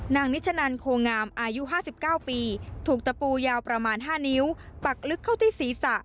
นางนิชนันโคงามอายุห้าสิบเก้าปีถูกตะปูยาวประมาณห้านิ้วปักลึกเข้าที่ศรีษะ